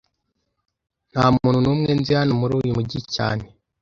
Nta muntu n'umwe nzi hano muri uyu mujyi cyane